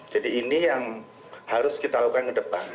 jadi ini yang harus kita lakukan ke depan